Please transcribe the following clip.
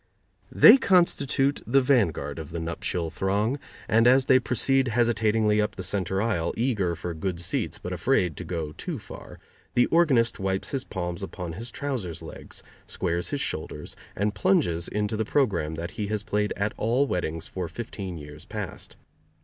They constitute the vanguard of the nuptial throng, and as they proceed hesitatingly up the center aisle, eager for good seats but afraid to go too far, the organist wipes his palms upon his trousers legs, squares his shoulders, and plunges into the program that he has played at all weddings for fifteen years past.